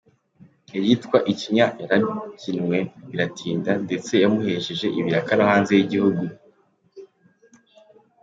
Iyitwa ‘Ikinya’ yarabyinwe biratinda ndetse yamuhesheje ibiraka no hanze y’igihugu.